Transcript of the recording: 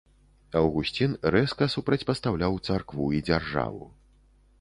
Аўгусцін рэзка супрацьпастаўляў царкву і дзяржаву.